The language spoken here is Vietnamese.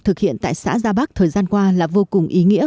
thực hiện tại xã gia bắc thời gian qua là vô cùng ý nghĩa